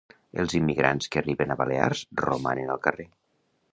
Els immigrants que arriben a Balears romanen al carrer.